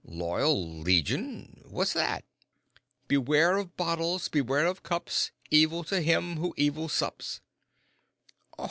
"Loyal Legion what's that?" "Beware of bottles, beware of cups, Evil to him who evil sups."